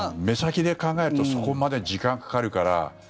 目先で考えるとそこまで時間がかかるから。